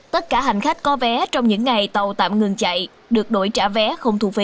tất cả hành khách có vé trong những ngày tàu tạm ngừng chạy được đổi trả vé không thu phí